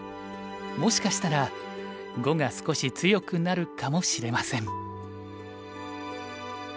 もしかしたら碁が少し強くなるかもしれません。